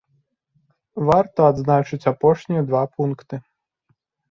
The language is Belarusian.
Варта адзначыць апошнія два пункты.